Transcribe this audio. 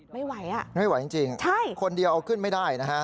ไม่ไหวอ่ะไม่ไหวจริงใช่คนเดียวเอาขึ้นไม่ได้นะฮะ